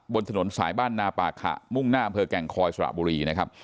บนถนนสายบ้านนาป่าขะมุ่งหน้าอำเภอแก่งคอยสระบุรีนะครับ